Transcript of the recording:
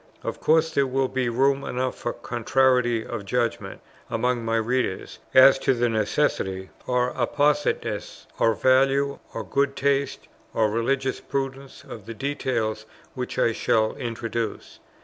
Of course there will be room enough for contrariety of judgment among my readers, as to the necessity, or appositeness, or value, or good taste, or religious prudence, of the details which I shall introduce.